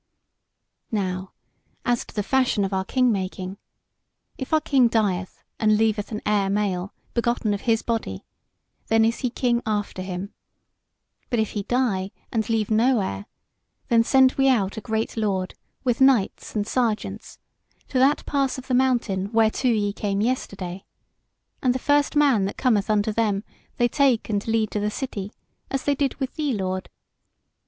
Now as to the fashion of our king making: If our king dieth and leaveth an heir male, begotten of his body, then is he king after him; but if he die and leave no heir, then send we out a great lord, with knights and sergeants, to that pass of the mountain whereto ye came yesterday; and the first man that cometh unto them, they take and lead to the city, as they did with thee, lord.